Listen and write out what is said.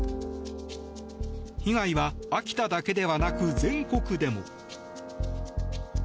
被害は秋田だけではなく全国でも。